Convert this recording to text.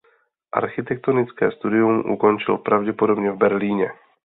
Architektonické studium ukončil pravděpodobně v Berlíně.